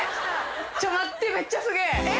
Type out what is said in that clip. ちょっと待ってめっちゃすげぇ！